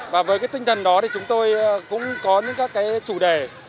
và với cái tinh thần đó thì chúng tôi cũng có những các cái chủ đề